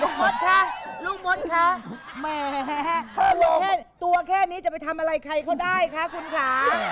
ลูกมั้นค่ะลูกแค่นี้จะไปทำอะไรใครเขาได้ค่ะคุณขา